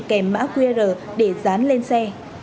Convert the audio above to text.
kèm mã qr để dán lên xe